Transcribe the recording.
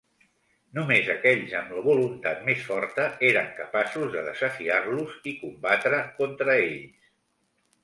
Només aquells amb la voluntat més forta eren capaços de desafiar-los i combatre contra ells.